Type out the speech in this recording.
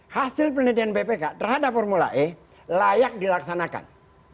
hasil penelitian bpk terhadap formula e layak dilaksanakan